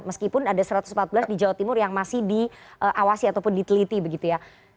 meskipun ada satu ratus empat belas di jawa timur yang masih diawasi ataupun diteliti begitu ya